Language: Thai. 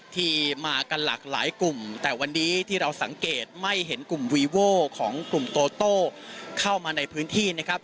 ที่มากันหลากหลายกลุ่มแต่วันนี้ที่เราสังเกตไม่เห็นกลุ่มวีโว่ของกลุ่มโตโต้เข้ามาในพื้นที่นะครับ